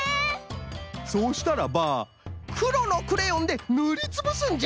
そしたらばくろのクレヨンでぬりつぶすんじゃ。